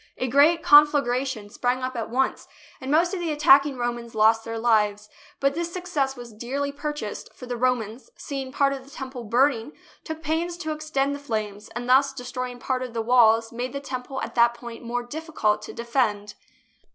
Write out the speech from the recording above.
A great conflagration sprang up at once, and most of the attacking Romans lost their lives. But this success was dearly purchased, for the Romans, see ing part of the Temple burning, took pains to ex tend the flames, and, thus destroying part of the walls, made the Temple at that point more difficult to defend.